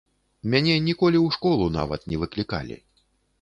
Мяне ніколі ў школу нават не выклікалі.